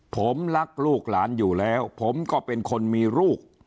ผมรักลูกหลานอยู่แล้วผมก็เป็นคนมีลูก